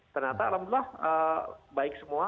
ternyata alhamdulillah baik semua